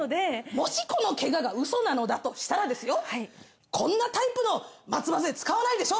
もしこのケガがウソなのだとしたらですよこんなタイプの松葉杖使わないでしょ？